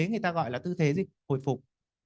người ta gọi là tư thế gì hồi phục